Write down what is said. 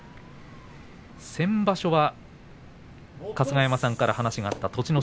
先場所は春日山さんから話があった栃ノ